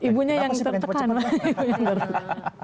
ibunya yang tertekan lah